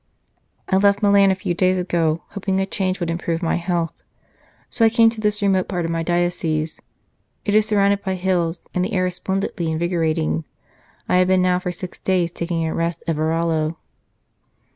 I left Milan a few days ago, hoping a change would improve my health, so I came to this remote part of my diocese. It is surrounded by hills, and the air is splendidly invigorating. I have been now for six days taking a rest at Varallo.